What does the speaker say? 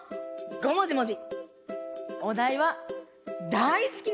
「ごもじもじ」